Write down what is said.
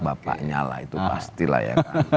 bapaknya lah itu pasti lah ya